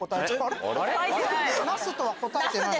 なすとは答えてない。